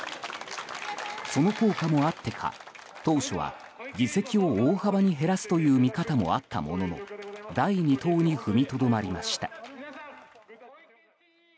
その効果もあってか当初は議席を大幅に減らすという見方もあったものの第二党に踏みとどまりました。